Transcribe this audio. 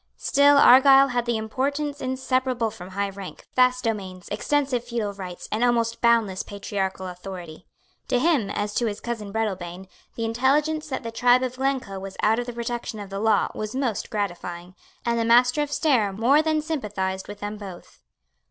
Still Argyle had the importance inseparable from high rank, vast domains, extensive feudal rights, and almost boundless patriarchal authority. To him, as to his cousin Breadalbane, the intelligence that the tribe of Glencoe was out of the protection of the law was most gratifying; and the Master of Stair more than sympathized with them both.